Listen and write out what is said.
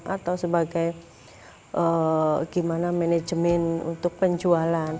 atau sebagai gimana manajemen untuk penjualan